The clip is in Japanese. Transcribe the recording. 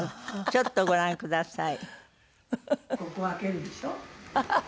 ちょっとご覧ください。